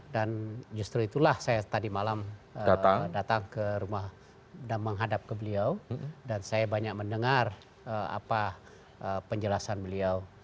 dan justru itulah saya tadi malam datang ke rumah dan menghadap ke beliau dan saya banyak mendengar apa penjelasan beliau